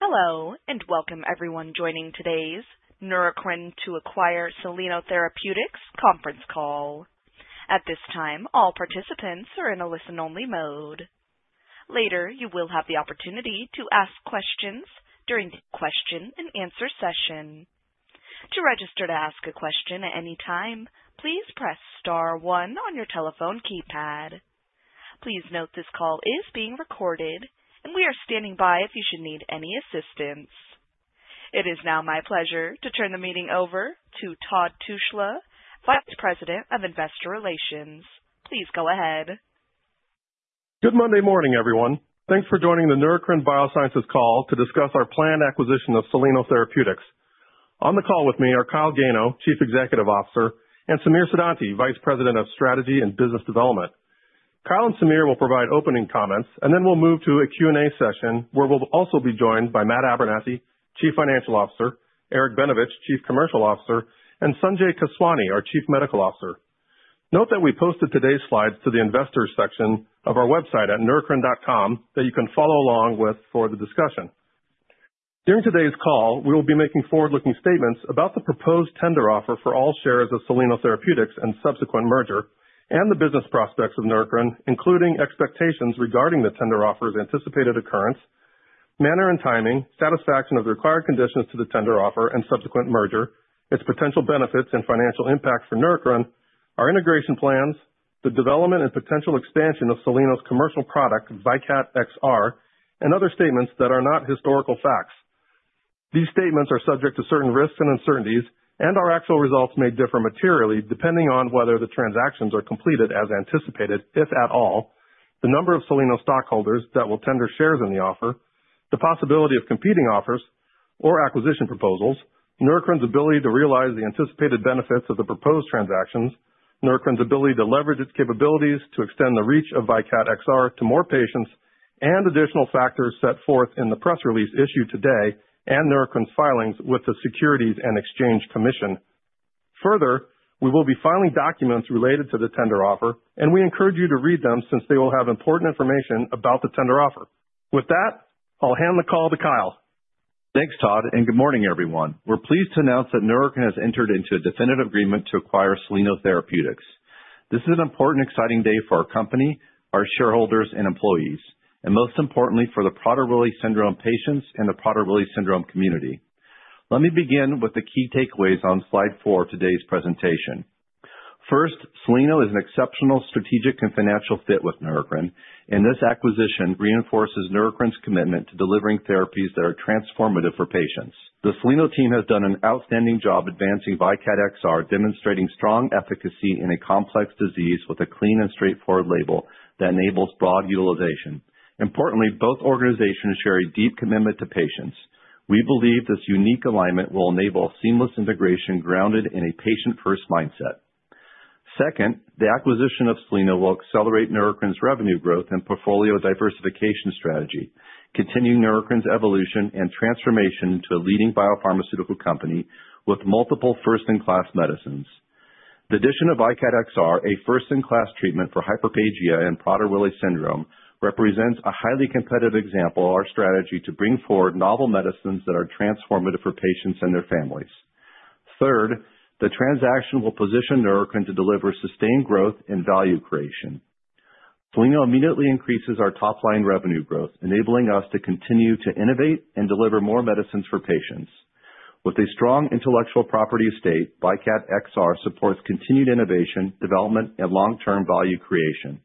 Hello, and welcome everyone joining today's Neurocrine to acquire Soleno Therapeutics conference call. At this time, all participants are in a listen-only mode. Later, you will have the opportunity to ask questions during the question and answer session. To register to ask a question at any time, please press star one on your telephone keypad. Please note this call is being recorded and we are standing by if you should need any assistance. It is now my pleasure to turn the meeting over to Todd Tushla, Vice President of Investor Relations. Please go ahead. Good Monday morning, everyone. Thanks for joining the Neurocrine Biosciences call to discuss our planned acquisition of Soleno Therapeutics. On the call with me are Kyle Gano, Chief Executive Officer, and Samir Siddhanti, Vice President of Strategy and Business Development. Kyle and Samir will provide opening comments, and then we'll move to a Q&A session where we'll also be joined by Matt Abernethy, Chief Financial Officer, Eric Benevich, Chief Commercial Officer, and Sanjay Keswani, our Chief Medical Officer. Note that we posted today's slides to the investors section of our website at neurocrine.com that you can follow along with for the discussion. During today's call, we will be making forward-looking statements about the proposed tender offer for all shares of Soleno Therapeutics and subsequent merger and the business prospects of Neurocrine, including expectations regarding the tender offer's anticipated occurrence, manner and timing, satisfaction of the required conditions to the tender offer and subsequent merger, its potential benefits and financial impact for Neurocrine, our integration plans, the development and potential expansion of Soleno's commercial product, VYKAT XR, and other statements that are not historical facts. These statements are subject to certain risks and uncertainties, and our actual results may differ materially, depending on whether the transactions are completed as anticipated, if at all, the number of Soleno stockholders that will tender shares in the offer, the possibility of competing offers or acquisition proposals, Neurocrine's ability to realize the anticipated benefits of the proposed transactions, Neurocrine's ability to leverage its capabilities to extend the reach of VYKAT XR to more patients, and additional factors set forth in the press release issued today, and Neurocrine's filings with the Securities and Exchange Commission. Further, we will be filing documents related to the tender offer, and we encourage you to read them since they will have important information about the tender offer. With that, I'll hand the call to Kyle. Thanks, Todd, and good morning, everyone. We're pleased to announce that Neurocrine has entered into a definitive agreement to acquire Soleno Therapeutics. This is an important, exciting day for our company, our shareholders and employees, and most importantly, for the Prader-Willi syndrome patients and the Prader-Willi syndrome community. Let me begin with the key takeaways on slide four of today's presentation. First, Soleno is an exceptional strategic and financial fit with Neurocrine, and this acquisition reinforces Neurocrine's commitment to delivering therapies that are transformative for patients. The Soleno team has done an outstanding job advancing VYKAT XR, demonstrating strong efficacy in a complex disease with a clean and straightforward label that enables broad utilization. Importantly, both organizations share a deep commitment to patients. We believe this unique alignment will enable seamless integration grounded in a patient-first mindset. Second, the acquisition of Soleno will accelerate Neurocrine's revenue growth and portfolio diversification strategy, continuing Neurocrine's evolution and transformation into a leading biopharmaceutical company with multiple first-in-class medicines. The addition of VYKAT XR, a first-in-class treatment for hyperphagia and Prader-Willi syndrome, represents a highly competitive example of our strategy to bring forward novel medicines that are transformative for patients and their families. Third, the transaction will position Neurocrine to deliver sustained growth and value creation. Soleno immediately increases our top-line revenue growth, enabling us to continue to innovate and deliver more medicines for patients. With a strong intellectual property estate, VYKAT XR supports continued innovation, development, and long-term value creation.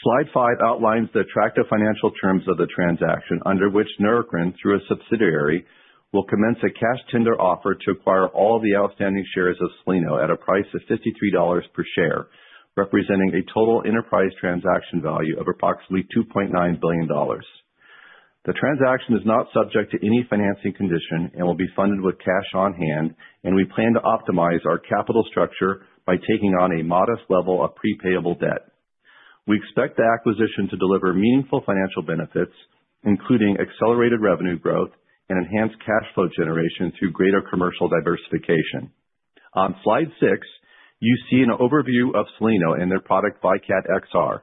Slide five outlines the attractive financial terms of the transaction under which Neurocrine, through a subsidiary, will commence a cash tender offer to acquire all the outstanding shares of Soleno at a price of $53 per share, representing a total enterprise transaction value of approximately $2.9 billion. The transaction is not subject to any financing condition and will be funded with cash on hand, and we plan to optimize our capital structure by taking on a modest level of pre-payable debt. We expect the acquisition to deliver meaningful financial benefits, including accelerated revenue growth and enhanced cash flow generation through greater commercial diversification. On slide six, you see an overview of Soleno and their product, VYKAT XR.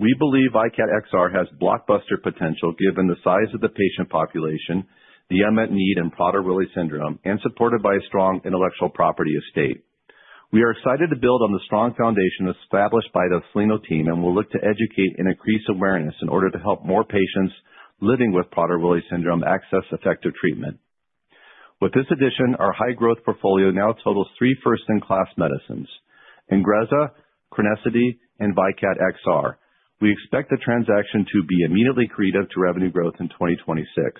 We believe VYKAT XR has blockbuster potential given the size of the patient population, the unmet need in Prader-Willi syndrome, and supported by a strong intellectual property estate. We are excited to build on the strong foundation established by the Soleno team and will look to educate and increase awareness in order to help more patients living with Prader-Willi syndrome access effective treatment. With this addition, our high-growth portfolio now totals three first-in-class medicines, INGREZZA, CRENESSITY, and VYKAT XR. We expect the transaction to be immediately accretive to revenue growth in 2026.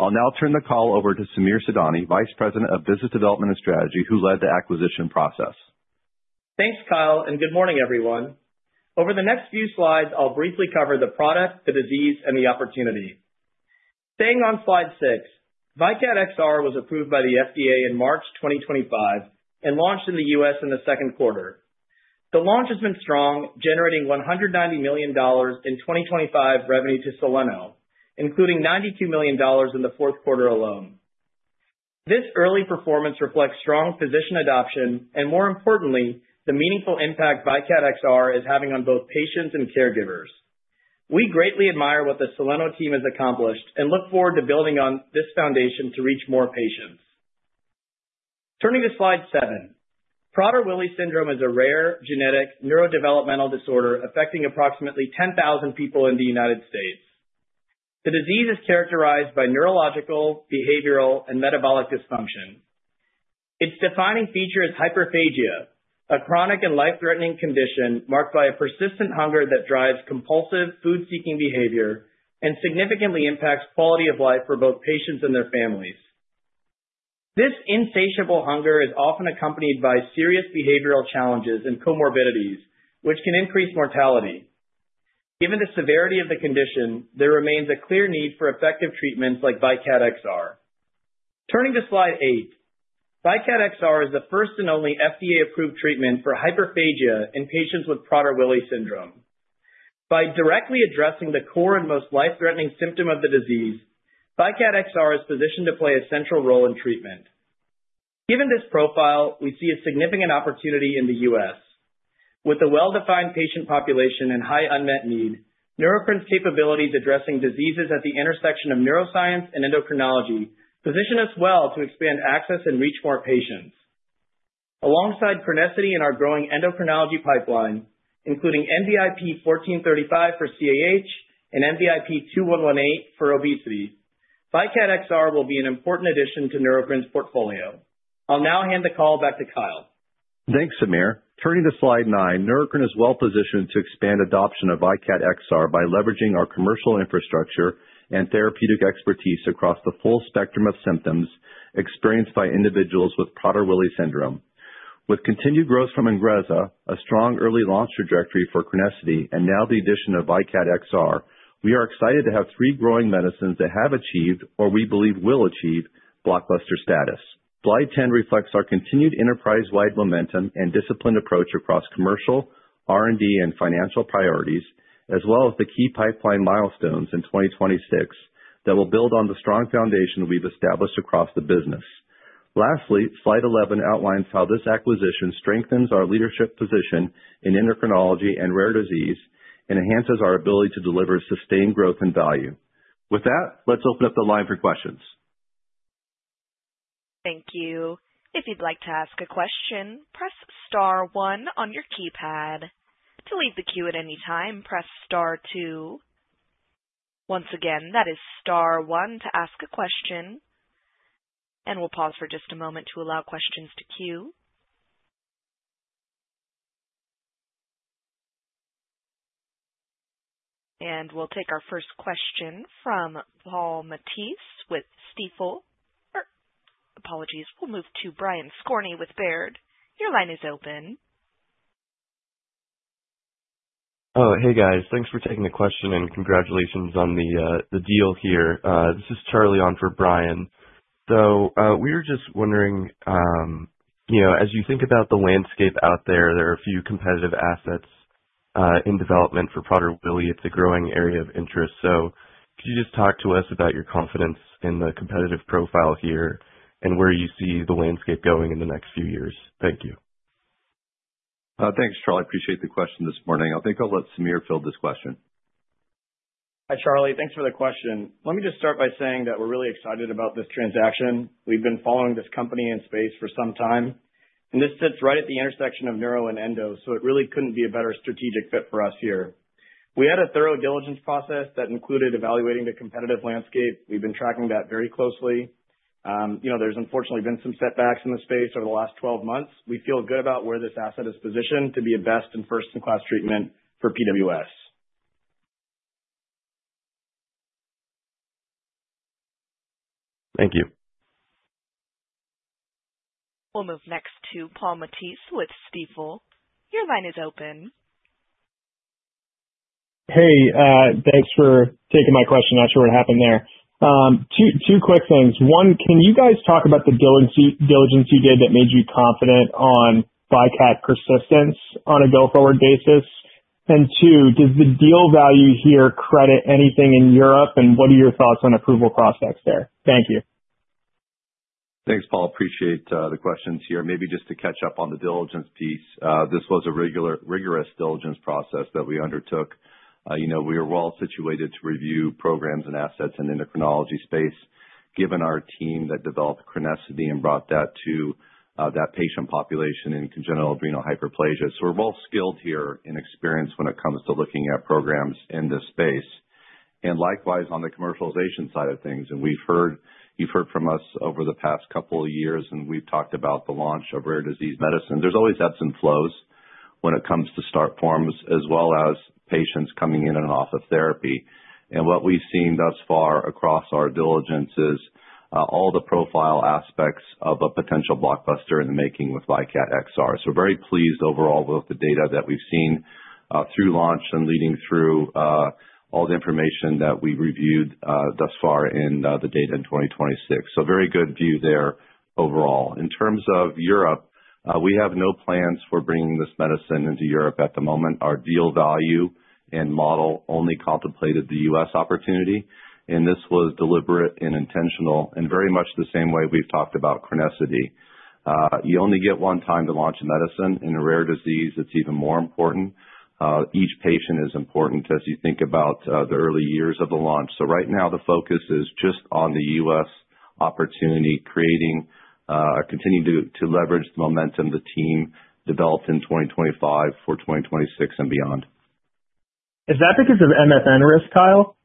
I'll now turn the call over to Samir Siddhanti, Vice President of Business Development and Strategy, who led the acquisition process. Thanks, Kyle, and good morning, everyone. Over the next few slides, I'll briefly cover the product, the disease, and the opportunity. Staying on slide six, VYKAT XR was approved by the FDA in March 2025 and launched in the U.S. in the second quarter. The launch has been strong, generating $190 million in 2025 revenue to Soleno, including $92 million in the fourth quarter alone. This early performance reflects strong physician adoption and more importantly, the meaningful impact VYKAT XR is having on both patients and caregivers. We greatly admire what the Soleno team has accomplished and look forward to building on this foundation to reach more patients. Turning to slide seven. Prader-Willi syndrome is a rare genetic neurodevelopmental disorder affecting approximately 10,000 people in the U.S. The disease is characterized by neurological, behavioral, and metabolic dysfunction. Its defining feature is hyperphagia, a chronic and life-threatening condition marked by a persistent hunger that drives compulsive food-seeking behavior and significantly impacts quality of life for both patients and their families. This insatiable hunger is often accompanied by serious behavioral challenges and comorbidities, which can increase mortality. Given the severity of the condition, there remains a clear need for effective treatments like VYKAT XR. Turning to slide eight. VYKAT XR is the first and only FDA-approved treatment for hyperphagia in patients with Prader-Willi syndrome. By directly addressing the core and most life-threatening symptom of the disease, VYKAT XR is positioned to play a central role in treatment. Given this profile, we see a significant opportunity in the U.S. With a well-defined patient population and high unmet need, Neurocrine's capabilities addressing diseases at the intersection of neuroscience and endocrinology position us well to expand access and reach more patients. Alongside CRENESSITY and our growing endocrinology pipeline, including NBIP-1435 for CAH and NBIP-2118 for obesity, VYKAT XR will be an important addition to Neurocrine's portfolio. I'll now hand the call back to Kyle. Thanks, Samir. Turning to slide nine, Neurocrine is well positioned to expand adoption of VYKAT XR by leveraging our commercial infrastructure and therapeutic expertise across the full spectrum of symptoms experienced by individuals with Prader-Willi syndrome. With continued growth from INGREZZA, a strong early launch trajectory for CRENESSITY, and now the addition of VYKAT XR, we are excited to have three growing medicines that have achieved, or we believe will achieve, blockbuster status. Slide 10 reflects our continued enterprise-wide momentum and disciplined approach across commercial, R&D, and financial priorities, as well as the key pipeline milestones in 2026 that will build on the strong foundation we've established across the business. Lastly, Slide 11 outlines how this acquisition strengthens our leadership position in endocrinology and rare disease and enhances our ability to deliver sustained growth and value. With that, let's open up the line for questions. Thank you. We'll take our first question from Paul Matteis with Stifel. Apologies, we'll move to Brian Skorney with Baird. Your line is open. Oh, hey, guys. Thanks for taking the question and congratulations on the deal here. This is Charlie on for Brian. We were just wondering, as you think about the landscape out there are a few competitive assets in development for Prader-Willi. It's a growing area of interest. Could you just talk to us about your confidence in the competitive profile here and where you see the landscape going in the next few years? Thank you. Thanks, Charlie. I appreciate the question this morning. I think I'll let Samir fill this question. Hi, Charlie. Thanks for the question. Let me just start by saying that we're really excited about this transaction. We've been following this company and space for some time, and this sits right at the intersection of neuro and endo, so it really couldn't be a better strategic fit for us here. We had a thorough diligence process that included evaluating the competitive landscape. We've been tracking that very closely. There's unfortunately been some setbacks in the space over the last 12 months. We feel good about where this asset is positioned to be a best-in-first-in-class treatment for PWS. Thank you. We'll move next to Paul Matteis with Stifel. Your line is open. Hey, thanks for taking my question. Not sure what happened there. Two quick things. One, can you guys talk about the diligence you did that made you confident on VYKAT persistence on a go-forward basis? Two, does the deal value here credit anything in Europe, and what are your thoughts on approval prospects there? Thank you. Thanks, Paul. Appreciate the questions here. Maybe just to catch up on the diligence piece. This was a rigorous diligence process that we undertook. We are well situated to review programs and assets in the endocrinology space, given our team that developed CRENESSITY and brought that to that patient population in congenital adrenal hyperplasia. We're well skilled here and experienced when it comes to looking at programs in this space. Likewise, on the commercialization side of things, you've heard from us over the past couple of years, and we've talked about the launch of rare disease medicine. There's always ebbs and flows when it comes to start forms, as well as patients coming in and off of therapy. What we've seen thus far across our diligence is all the profile aspects of a potential blockbuster in the making with VYKAT XR. Very pleased overall with the data that we've seen through launch and leading through all the information that we reviewed thus far in the data in 2026. Very good view there. Overall. In terms of Europe, we have no plans for bringing this medicine into Europe at the moment. Our deal value and model only contemplated the U.S. opportunity, and this was deliberate and intentional in very much the same way we've talked about CRENESSITY. You only get one time to launch a medicine. In a rare disease, it's even more important. Each patient is important as you think about the early years of the launch. Right now, the focus is just on the U.S. opportunity, creating, continuing to leverage the momentum the team developed in 2025 for 2026 and beyond. Is that because of MFN risk, Kyle?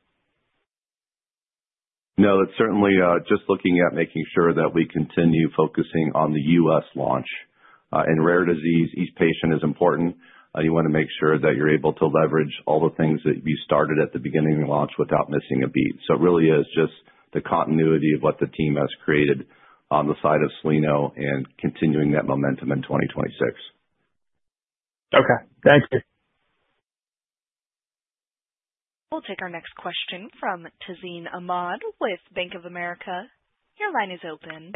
No, it's certainly just looking at making sure that we continue focusing on the U.S. launch. In rare disease, each patient is important. You want to make sure that you're able to leverage all the things that you started at the beginning of the launch without missing a beat. It really is just the continuity of what the team has created on the side of Soleno and continuing that momentum in 2026. Okay, thanks. We'll take our next question from Tazeen Ahmad with Bank of America. Your line is open.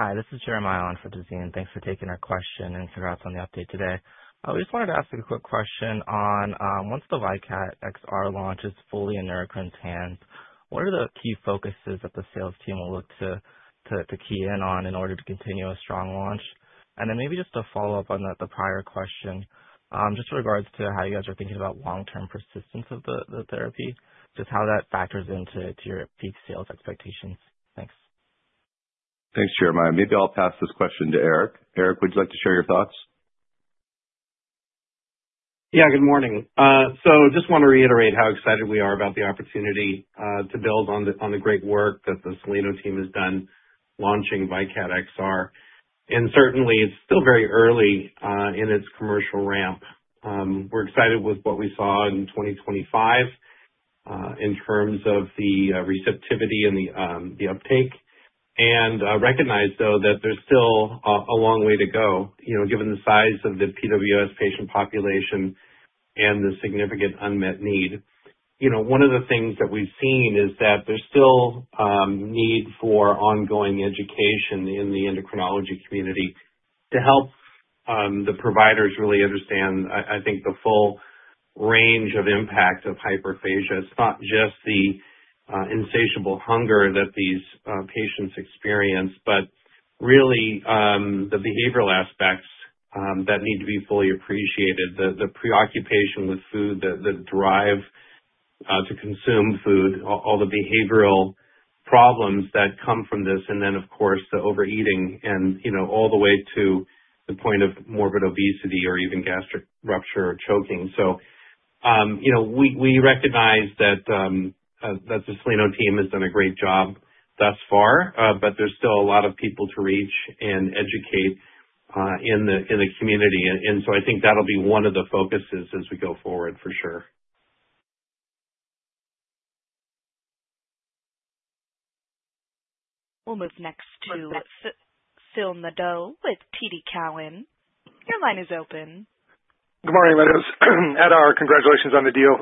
Hi, this is Jeremiah on for Tazeen. Thanks for taking our question and congrats on the update today. I just wanted to ask a quick question on, once the VYKAT XR launch is fully in Neurocrine's hands, what are the key focuses that the sales team will look to key in on in order to continue a strong launch? Maybe just to follow up on the prior question, just regards to how you guys are thinking about long-term persistence of the therapy, just how that factors into your peak sales expectations. Thanks. Thanks, Jeremiah. Maybe I'll pass this question to Eric. Eric, would you like to share your thoughts? Yeah. Good morning. Just want to reiterate how excited we are about the opportunity to build on the great work that the Soleno team has done launching VYKAT XR. Certainly, it's still very early in its commercial ramp. We're excited with what we saw in 2025, in terms of the receptivity and the uptake, and recognize, though, that there's still a long way to go, given the size of the PWS patient population and the significant unmet need. One of the things that we've seen is that there's still need for ongoing education in the endocrinology community to help the providers really understand, I think, the full range of impact of hyperphagia. It's not just the insatiable hunger that these patients experience, but really the behavioral aspects that need to be fully appreciated. The preoccupation with food, the drive to consume food, all the behavioral problems that come from this, and then, of course, the overeating and all the way to the point of morbid obesity or even gastric rupture or choking. We recognize that the Soleno team has done a great job thus far. There's still a lot of people to reach and educate in the community. I think that'll be one of the focuses as we go forward, for sure. We'll move next to Phil Nadeau with TD Cowen. Your line is open. Good morning, fellows. Adar, congratulations on the deal.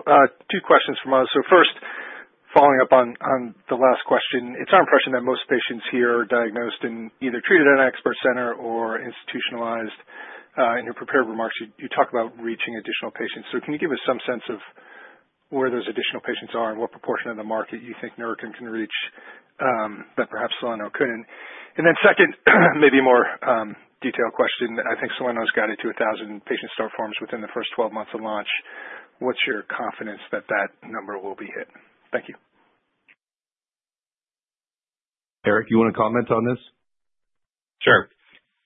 Two questions from us. First, following up on the last question, it's our impression that most patients here are diagnosed and either treated at an expert center or institutionalized. In your prepared remarks, you talk about reaching additional patients. Can you give us some sense of where those additional patients are and what proportion of the market you think Neurocrine can reach, that perhaps Soleno couldn't? Second, maybe a more detailed question. I think Soleno's guided to 1,000 patient start forms within the first 12 months of launch. What's your confidence that that number will be hit? Thank you. Eric, you want to comment on this? Sure.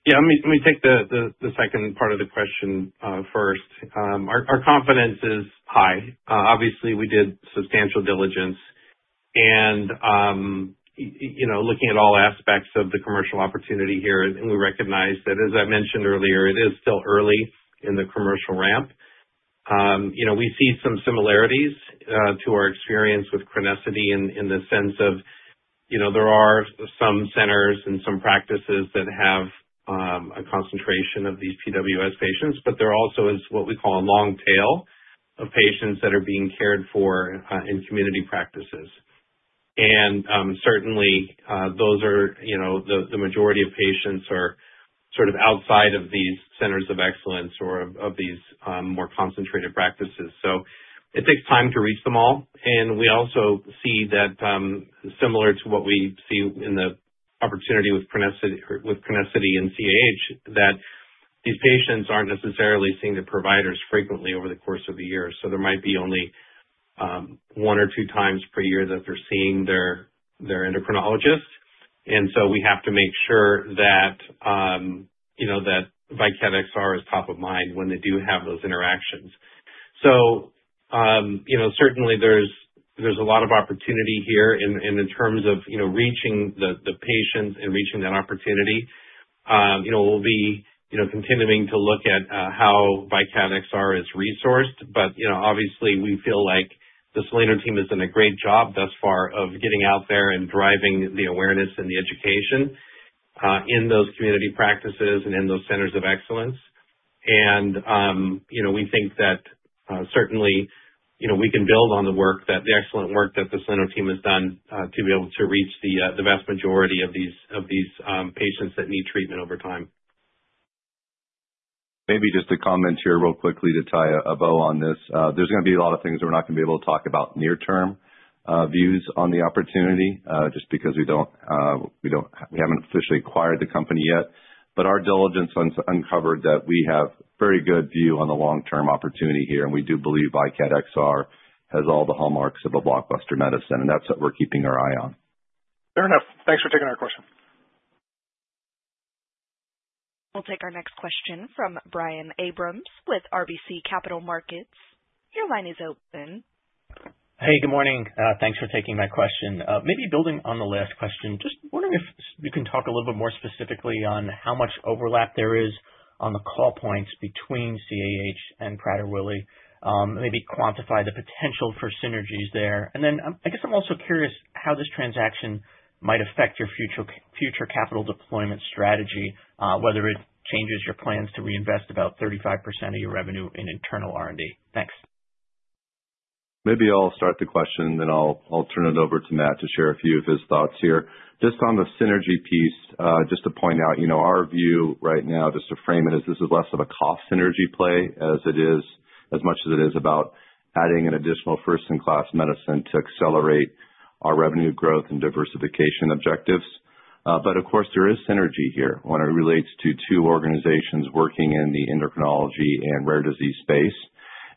Yeah, let me take the second part of the question first. Our confidence is high. Obviously, we did substantial diligence and looking at all aspects of the commercial opportunity here, and we recognize that, as I mentioned earlier, it is still early in the commercial ramp. We see some similarities to our experience with CRENESSITY in the sense of there are some centers and some practices that have a concentration of these PWS patients, but there also is what we call a long tail of patients that are being cared for in community practices. And certainly, those are the majority of patients are sort of outside of these centers of excellence or of these more concentrated practices. It takes time to reach them all. We also see that, similar to what we see in the opportunity with CRENESSITY and CAH, that these patients aren't necessarily seeing the providers frequently over the course of a year. There might be only one or two times per year that they're seeing their endocrinologist. We have to make sure that VYKAT XR is top of mind when they do have those interactions. Certainly, there's a lot of opportunity here in terms of reaching the patients and reaching that opportunity. We'll be continuing to look at how VYKAT XR is resourced. Obviously, we feel like the Soleno team has done a great job thus far of getting out there and driving the awareness and the education, in those community practices and in those centers of excellence. We think that certainly, we can build on the work, the excellent work that the Soleno team has done to be able to reach the vast majority of these patients that need treatment over time. Maybe just to comment here real quickly to tie a bow on this. There's going to be a lot of things that we're not going to be able to talk about near term views on the opportunity, just because we haven't officially acquired the company yet. Our diligence uncovered that we have very good view on the long-term opportunity here, and we do believe VYKAT XR has all the hallmarks of a blockbuster medicine, and that's what we're keeping our eye on. Fair enough. Thanks for taking our question. We'll take our next question from Brian Abrahams with RBC Capital Markets. Your line is open. Hey, good morning. Thanks for taking my question. Maybe building on the last question, just wondering if you can talk a little bit more specifically on how much overlap there is on the call points between CAH and Prader-Willi. Maybe quantify the potential for synergies there. I guess I'm also curious how this transaction might affect your future capital deployment strategy, whether it changes your plans to reinvest about 35% of your revenue in internal R&D. Thanks. Maybe I'll start the question, then I'll turn it over to Matt to share a few of his thoughts here. Just on the synergy piece, just to point out, our view right now, just to frame it, is this is less of a cost synergy play as much as it is about adding an additional first-in-class medicine to accelerate our revenue growth and diversification objectives. Of course, there is synergy here when it relates to two organizations working in the endocrinology and rare disease space.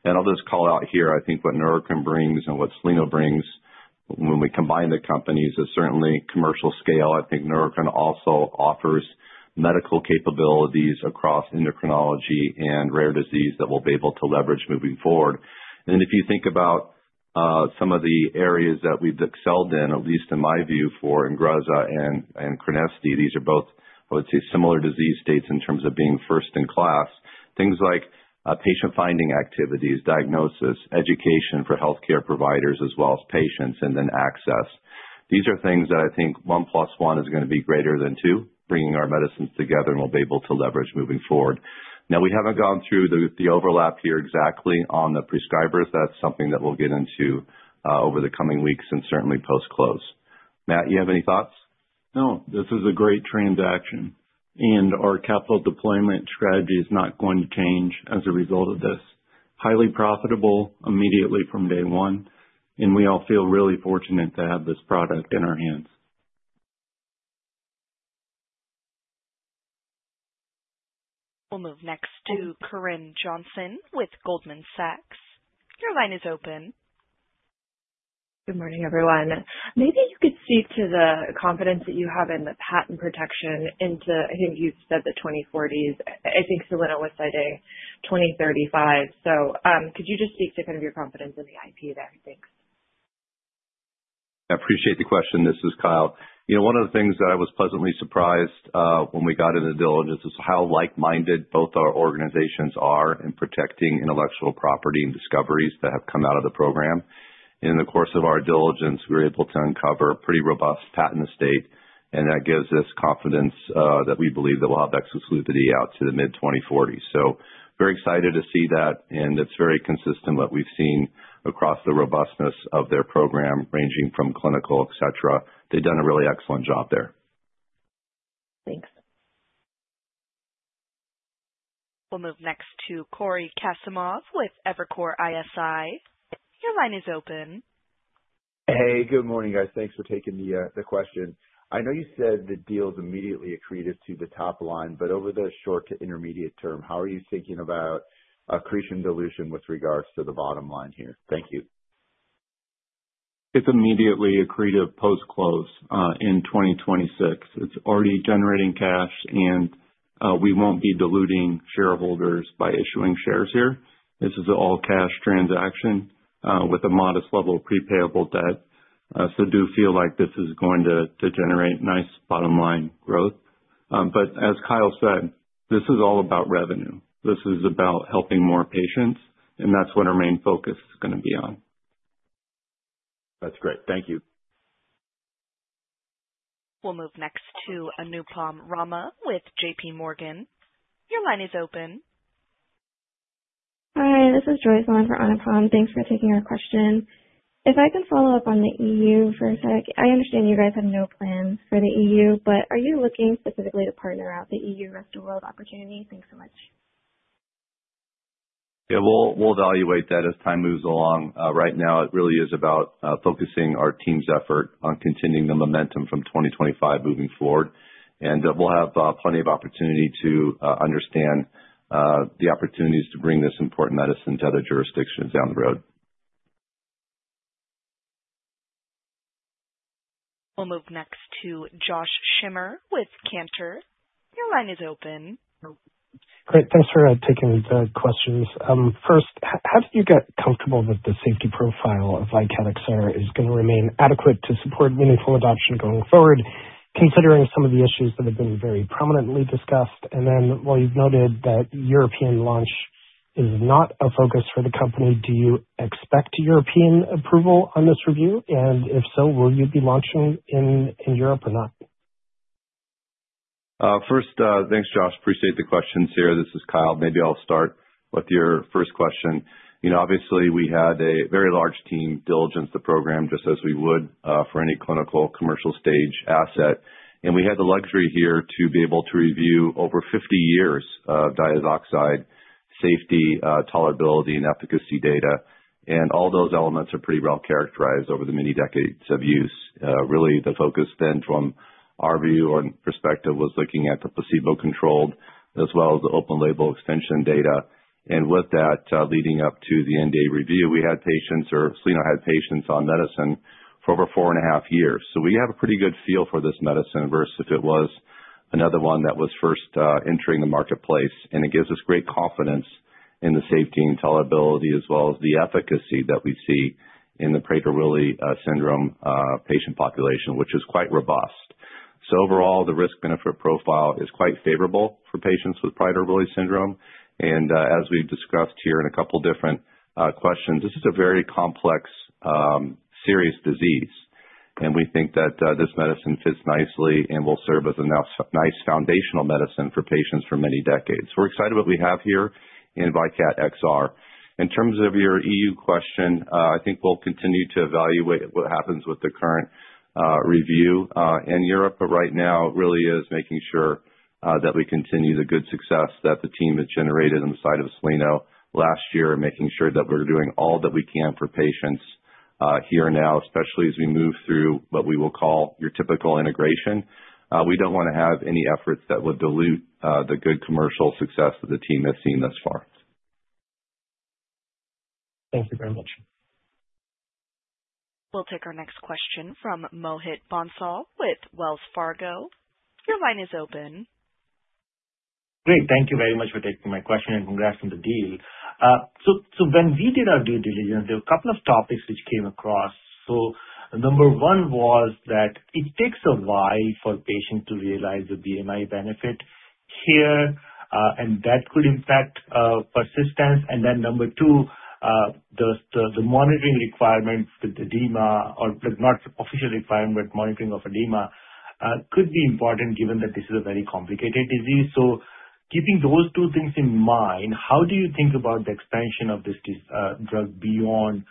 I'll just call out here, I think what Neurocrine brings and what Soleno brings when we combine the companies is certainly commercial scale. I think Neurocrine also offers medical capabilities across endocrinology and rare disease that we'll be able to leverage moving forward. If you think about some of the areas that we've excelled in, at least in my view for INGREZZA and CRENESSITY, these are both, I would say, similar disease states in terms of being first in class. Things like patient finding activities, diagnosis, education for healthcare providers as well as patients, and then access. These are things that I think one plus one is going to be greater than two, bringing our medicines together, and we'll be able to leverage moving forward. Now, we haven't gone through the overlap here exactly on the prescribers. That's something that we'll get into over the coming weeks and certainly post-close. Matt, you have any thoughts? No, this is a great transaction, and our capital deployment strategy is not going to change as a result of this. Highly profitable immediately from day one, and we all feel really fortunate to have this product in our hands. We'll move next to Corinne Johnson with Goldman Sachs. Your line is open. Good morning, everyone. Maybe you could speak to the confidence that you have in the patent protection into, I think you'd said the 2040s. I think Soleno was citing 2035. Could you just speak to kind of your confidence in the IP there? Thanks. I appreciate the question. This is Kyle. One of the things that I was pleasantly surprised when we got in the diligence is how like-minded both our organizations are in protecting intellectual property and discoveries that have come out of the program. In the course of our diligence, we were able to uncover a pretty robust patent estate, and that gives us confidence that we believe that we'll have exclusivity out to the mid-2040s. Very excited to see that, and it's very consistent what we've seen across the robustness of their program, ranging from clinical, et cetera. They've done a really excellent job there. Thanks. We'll move next to Cory Kasimov with Evercore ISI. Your line is open. Hey, good morning, guys. Thanks for taking the question. I know you said the deal is immediately accretive to the top line, but over the short to intermediate term, how are you thinking about accretion dilution with regards to the bottom line here? Thank you. It's immediately accretive post-close in 2026. It's already generating cash and we won't be diluting shareholders by issuing shares here. This is an all-cash transaction with a modest level of pre-payable debt. Do feel like this is going to generate nice bottom line growth. As Kyle said, this is all about revenue. This is about helping more patients, and that's what our main focus is going to be on. That's great. Thank you. We'll move next to Anupam Rama with JPMorgan. Your line is open. Hi, this is Joyce on for Anupam. Thanks for taking our question. If I can follow up on the E.U. for a sec. I understand you guys have no plans for the E.U., but are you looking specifically to partner out the E.U. rest-of-world opportunity? Thanks so much. Yeah. We'll evaluate that as time moves along. Right now it really is about focusing our team's effort on continuing the momentum from 2025 moving forward. We'll have plenty of opportunity to understand the opportunities to bring this important medicine to other jurisdictions down the road. We'll move next to Josh Schimmer with Cantor. Your line is open. Great. Thanks for taking the questions. First, how do you get comfortable that the safety profile of VYKAT XR is going to remain adequate to support meaningful adoption going forward, considering some of the issues that have been very prominently discussed? While you've noted that European launch is not a focus for the company, do you expect European approval on this review? If so, will you be launching in Europe or not? First, thanks Josh. Appreciate the questions here. This is Kyle. Maybe I'll start with your first question. Obviously, we had a very large team diligence the program, just as we would for any clinical or commercial stage asset. We had the luxury here to be able to review over 50 years of diazoxide safety, tolerability and efficacy data. All those elements are pretty well characterized over the many decades of use. Really the focus then from our view or perspective was looking at the placebo-controlled as well as the open label extension data. With that leading up to the NDA review, we had patients or Soleno had patients on medicine for over four and a half years. We have a pretty good feel for this medicine versus if it was another one that was first entering the marketplace. It gives us great confidence in the safety and tolerability as well as the efficacy that we see in the Prader-Willi syndrome patient population, which is quite robust. Overall, the risk benefit profile is quite favorable for patients with Prader-Willi syndrome. As we've discussed here in a couple different questions, this is a very complex, serious disease and we think that this medicine fits nicely and will serve as a nice foundational medicine for patients for many decades. We're excited what we have here in VYKAT XR. In terms of your E.U. question, I think we'll continue to evaluate what happens with the current review in Europe. Right now it really is making sure that we continue the good success that the team has generated on the side of Soleno last year, making sure that we're doing all that we can for patients here and now, especially as we move through what we will call your typical integration. We don't want to have any efforts that would dilute the good commercial success that the team has seen thus far. Thank you very much. We'll take our next question from Mohit Bansal with Wells Fargo. Your line is open. Great. Thank you very much for taking my question and congrats on the deal. When we did our due diligence, there were a couple of topics which came across. Number 1 was that it takes a while for patients to realize the BMI benefit here, and that could impact persistence. Number 2, the monitoring requirements with edema, or not official requirement, but monitoring of edema could be important given that this is a very complicated disease. Keeping those two things in mind, how do you think about the expansion of this drug beyond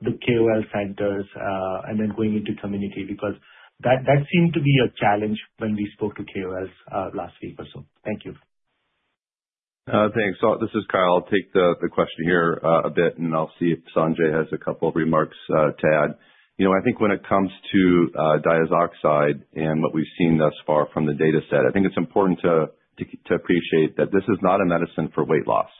the KOL centers, and then going into community? Because that seemed to be a challenge when we spoke to KOLs last week or so. Thank you. Thanks. This is Kyle. I'll take the question here a bit, and I'll see if Sanjay has a couple of remarks to add. I think when it comes to diazoxide and what we've seen thus far from the data set, I think it's important to appreciate that this is not a medicine for weight loss.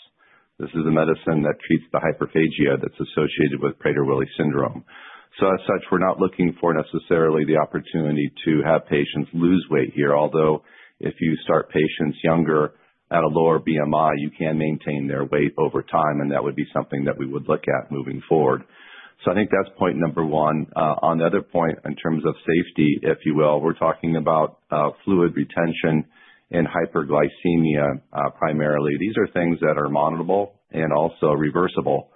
This is a medicine that treats the hyperphagia that's associated with Prader-Willi syndrome. As such, we're not looking for necessarily the opportunity to have patients lose weight here. Although if you start patients younger at a lower BMI, you can maintain their weight over time, and that would be something that we would look at moving forward. I think that's point number one. On the other point, in terms of safety, if you will, we're talking about fluid retention and hyperglycemia primarily. These are things that are monitorable and also reversible,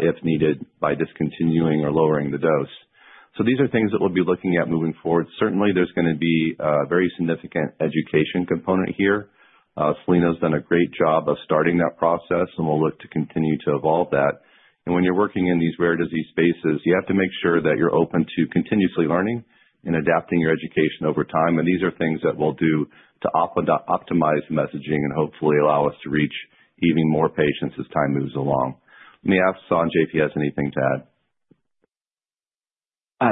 if needed, by discontinuing or lowering the dose. These are things that we'll be looking at moving forward. Certainly there's going to be a very significant education component here. Soleno's done a great job of starting that process, and we'll look to continue to evolve that. When you're working in these rare disease spaces, you have to make sure that you're open to continuously learning and adapting your education over time. These are things that we'll do to optimize messaging and hopefully allow us to reach even more patients as time moves along. Let me ask Sanjay if he has anything to add.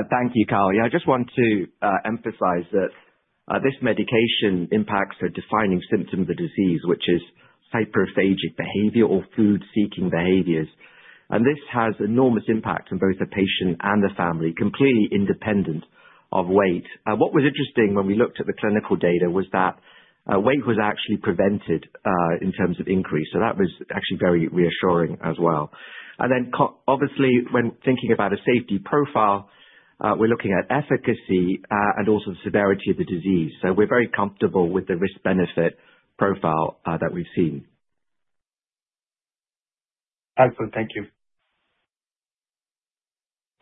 Thank you, Kyle. Yeah, I just want to emphasize that this medication impacts a defining symptom of the disease, which is hyperphagic behavior or food-seeking behaviors. This has enormous impact on both the patient and the family, completely independent of weight. What was interesting when we looked at the clinical data was that weight was actually prevented, in terms of increase. That was actually very reassuring as well. Then obviously, when thinking about a safety profile, we're looking at efficacy, and also the severity of the disease. We're very comfortable with the risk-benefit profile that we've seen. Excellent. Thank you.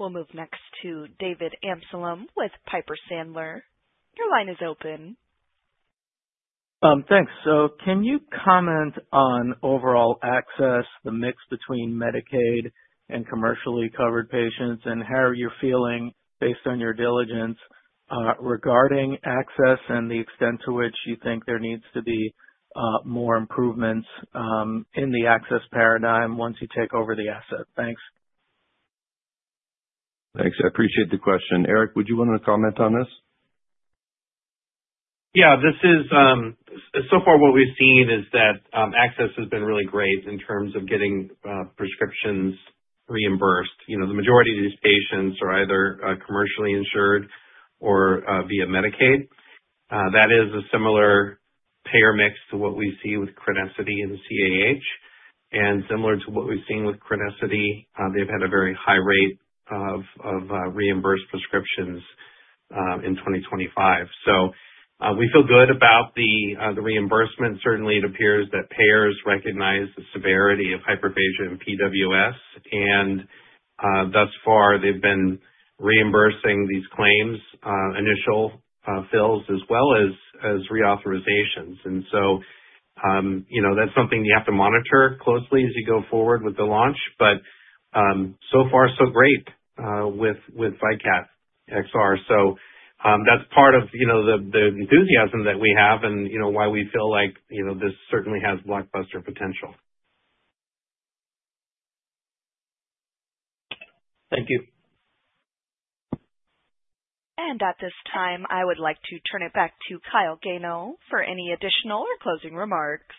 We'll move next to David Amsellem with Piper Sandler. Your line is open. Thanks. Can you comment on overall access, the mix between Medicaid and commercially covered patients, and how you're feeling based on your diligence, regarding access and the extent to which you think there needs to be more improvements in the access paradigm once you take over the asset? Thanks. Thanks. I appreciate the question. Eric, would you want to comment on this? Yeah. So far what we've seen is that access has been really great in terms of getting prescriptions reimbursed. The majority of these patients are either commercially insured or via Medicaid. That is a similar payer mix to what we see with CRENESSITY and CAH. Similar to what we've seen with CRENESSITY, they've had a very high rate of reimbursed prescriptions in 2025. We feel good about the reimbursement. Certainly, it appears that payers recognize the severity of hyperphagia in PWS, and thus far they've been reimbursing these claims, initial fills as well as reauthorizations. That's something you have to monitor closely as you go forward with the launch. So far so great with VYKAT XR. That's part of the enthusiasm that we have and why we feel like this certainly has blockbuster potential. Thank you. At this time, I would like to turn it back to Kyle Gano for any additional or closing remarks.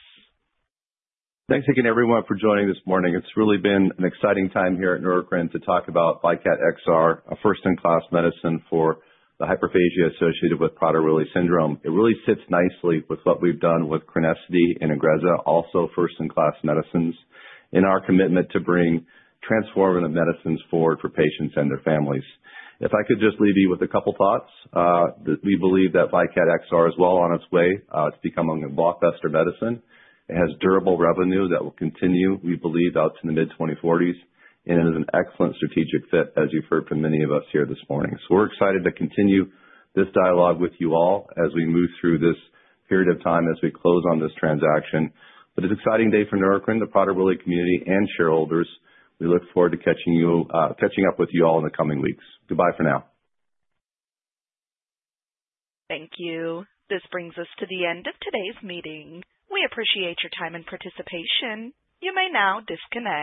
Thanks again everyone for joining this morning. It's really been an exciting time here at Neurocrine to talk about VYKAT XR, a first in class medicine for the hyperphagia associated with Prader-Willi syndrome. It really fits nicely with what we've done with CRENESSITY and INGREZZA, also first in class medicines, in our commitment to bring transformative medicines forward for patients and their families. If I could just leave you with a couple thoughts that we believe that VYKAT XR is well on its way to becoming a blockbuster medicine. It has durable revenue that will continue, we believe, out to the mid 2040s. It is an excellent strategic fit, as you've heard from many of us here this morning. We're excited to continue this dialogue with you all as we move through this period of time as we close on this transaction. It's an exciting day for Neurocrine, the Prader-Willi community, and shareholders. We look forward to catching up with you all in the coming weeks. Goodbye for now. Thank you. This brings us to the end of today's meeting. We appreciate your time and participation. You may now disconnect.